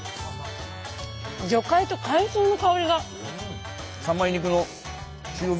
魚介と海藻の香りが。